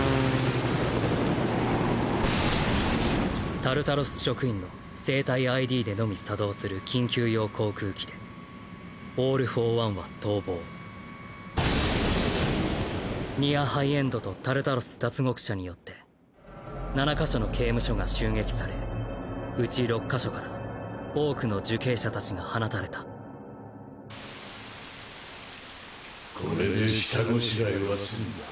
タルタロス職員の生体ＩＤでのみ作動する緊急用航空機でオール・フォー・ワンは逃亡ニア・ハイエンドとタルタロス脱獄者によって７か所の刑務所が襲撃され内６か所から多くの受刑者達が放たれたこれで下拵えは済んだ！